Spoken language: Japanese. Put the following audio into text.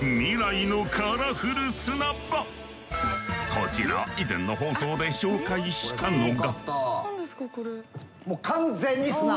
こちら以前の放送で紹介したのが。